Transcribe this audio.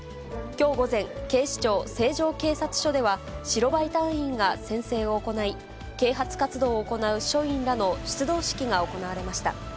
きょう午前、警視庁成城警察署では、白バイ隊員が宣誓を行い、啓発活動を行う署員らの出動式が行われました。